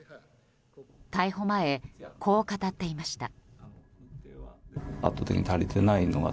逮捕前、こう語っていました。